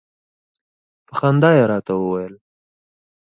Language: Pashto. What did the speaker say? په خندا يې راته وویل.